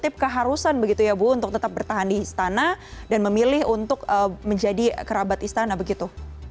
ada keharusan begitu ya bu untuk tetap bertahan di istana dan memilih untuk menjadi kerabat istana begitu